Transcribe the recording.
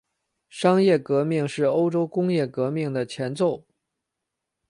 商业革命是欧洲工业革命的前奏。